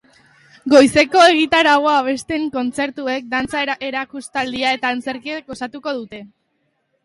Goizeko egitaraua, abesbatzen kontzertuek, dantza erakustaldia eta antzerkiek osatuko dute.